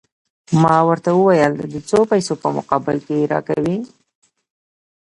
ما ورته وویل: د څو پیسو په مقابل کې يې راکوې؟